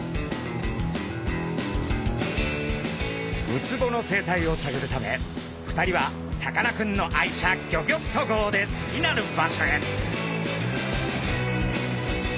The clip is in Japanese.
ウツボの生態をさぐるため２人はさかなクンの愛車ギョギョッと号で次なる場所へ。